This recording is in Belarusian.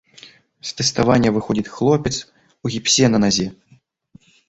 З тэставання выходзіць хлопец у гіпсе на назе!